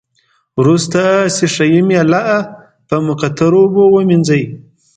وروسته ښيښه یي میله په مقطرو اوبو ومینځئ.